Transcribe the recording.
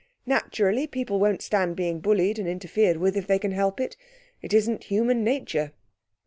Naturally, people won't stand being bullied and interfered with if they can help it. It isn't human nature.'